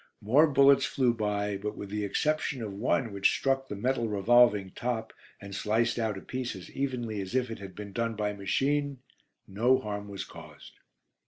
More bullets flew by, but with the exception of one which struck the metal revolving top and sliced out a piece as evenly as if it had been done by machine, no harm was caused.